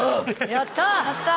やった。